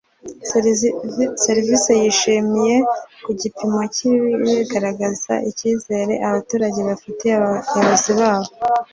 serivisi yishimiwe ku gipimo cya ibi bigaragaza icyizere abaturage bafitiye abayobozi babo